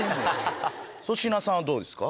粗品さんはどうですか？